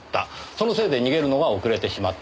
そのせいで逃げるのが遅れてしまった。